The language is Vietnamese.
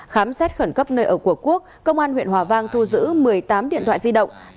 khám xét khẩn cấp nơi ở của quốc công an huyện hòa vang thu giữ một mươi tám điện thoại di động